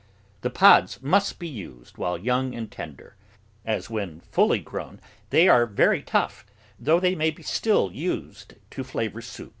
The pods must be used while young and tender, as when fully grown they are very tough, though they may still be used to flavour soups.